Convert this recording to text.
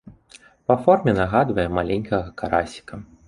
Па форме нагадвае маленькага карасіка.